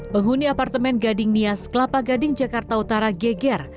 penghuni apartemen gading nias kelapa gading jakarta utara geger